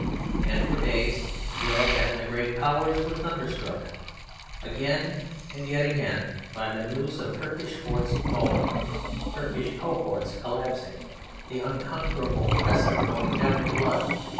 And for days Europe and the great powers were thunderstruck, again and yet again, by the news of Turkish forts falling, Turkish cohorts collapsing, the unconquerable Crescent going down in blood.